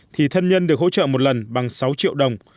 thì thân nhân được hỗ trợ một lần bằng sáu triệu đồng